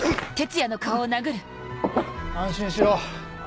安心しろ。